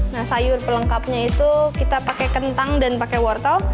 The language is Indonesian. nah sayur pelengkapnya itu kita pakai kentang dan pakai wortel